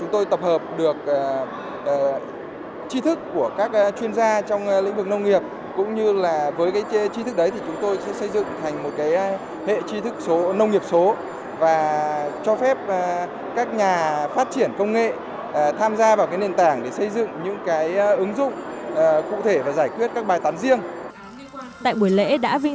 tại buổi lễ đã vinh danh bốn giải thưởng và ba bằng khe